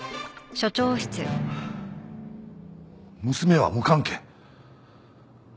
娘は無関係？